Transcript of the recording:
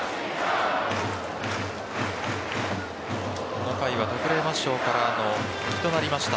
この回は特例抹消からの復帰となりました。